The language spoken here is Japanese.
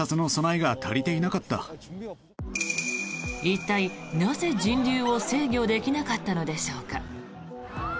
一体、なぜ人流を制御できなかったのでしょうか。